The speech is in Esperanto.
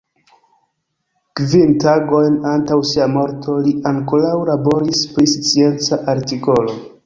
Kvin tagojn antaŭ sia morto, li ankoraŭ laboris pri scienca artikolo.